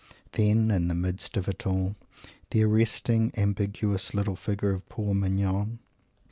Then, in the midst of it all, the arresting, ambiguous little figure of poor Mignon!